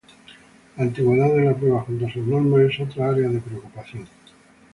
La antigüedad de la prueba junto a sus normas es otra área de preocupación.